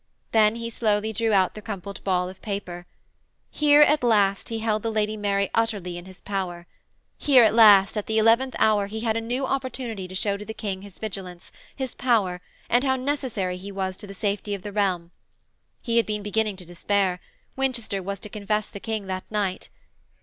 Then he slowly drew out the crumpled ball of paper. Here at last he held the Lady Mary utterly in his power; here at last, at the eleventh hour, he had a new opportunity to show to the King his vigilance, his power, and how necessary he was to the safety of the realm. He had been beginning to despair; Winchester was to confess the King that night.